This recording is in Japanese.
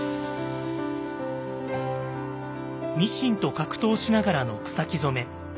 ミシンと格闘しながらの草木染め。